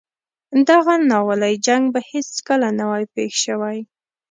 دغه ناولی جنګ به هیڅکله نه وای پېښ شوی.